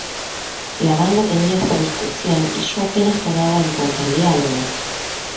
La banda tenía esta discusión y yo apenas tomaba en cuenta el diálogo.